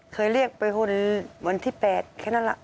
เคยเรียกไปคนวันที่๘แค่นั้นแหละ